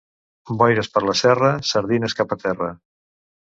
Boires per la serra, sardines cap a terra.